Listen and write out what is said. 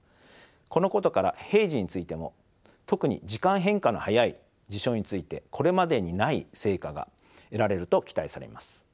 このことから平時についても特に時間変化の早い事象についてこれまでにない成果が得られると期待されます。